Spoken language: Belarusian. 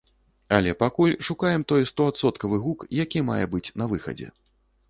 Але пакуль шукаем той стоадсоткавы гук, які мае быць на выхадзе.